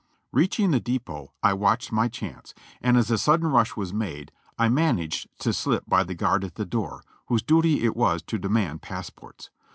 Reaching the depot. I watched my chance, and as a sudden rush was made I managed to slip by the guard at the door, whose duty it was to demand passports.